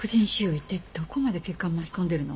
一体どこまで血管巻き込んでるの？